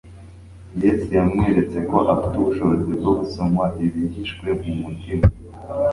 Yesu yamweretse ko afite ubushobozi bwo gusoma ibihishwe mu mutima;